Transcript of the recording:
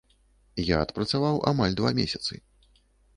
Я адпрацаваў амаль два месяцы.